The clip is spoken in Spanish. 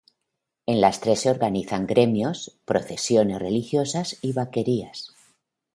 En las tres se organizan gremios, procesiones religiosas y vaquerías